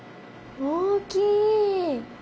大きい！